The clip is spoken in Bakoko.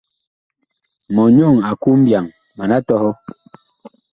Mɔnyɔŋ a ku mbyaŋ, mana tɔhɔ.